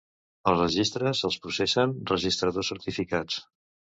Els registres els processen registradors certificats.